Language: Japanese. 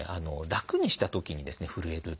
楽にしたときにですねふるえる。